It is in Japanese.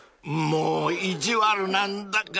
［もう！意地悪なんだから］